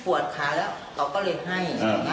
ก็ด้านเธอช่วงไว้